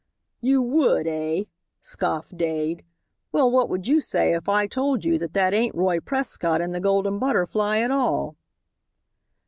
"You would, eh?" scoffed Dade. "Well, what would you say if I told you that that ain't Roy Prescott in the Golden Butterfly at all?"